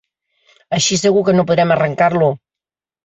Així segur que no podrem arrencar-lo.